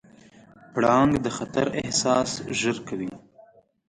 پړانګ د خطر احساس ژر کوي.